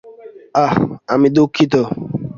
আহ, আমি দুঃখিত।